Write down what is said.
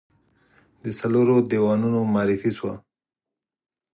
د څلورو دیوانونو معرفي شوه.